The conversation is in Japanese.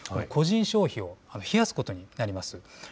個人消費を冷やすことになります。